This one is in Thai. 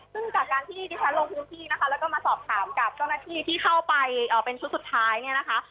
ซึ่งจากการที่ดิฉันลงพื้นที่นะคะแล้วก็มาสอบถามกับเจ้าหน้าที่ที่เข้าไปเป็นชุดสุดท้ายเนี่ยนะคะ